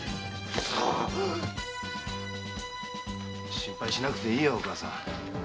心配しなくていいよお母さん。